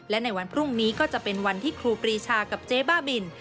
และในวันพรุ่งนี้ก็จะเป็นวันที่ครูปรีชากับเจ๊บ้าบิน